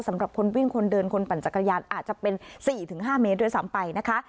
สำหรับคนวิ่งคนเดินคนปั่นจักรยานอาจจะเป็น๔๕เมตรด้วยซ้ำไปนะคะ